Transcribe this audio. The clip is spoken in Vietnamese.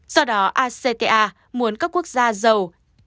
do đó acta muốn các quốc gia giàu trả trước một mươi sáu tỷ usd